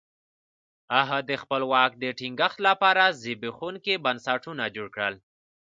هغه د خپل واک د ټینګښت لپاره زبېښونکي بنسټونه جوړ کړل.